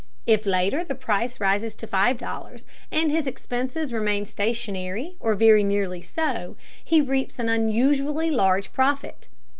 If later the price rises to $5.00 and his expenses remain stationary or very nearly so, he reaps an unusually large profit.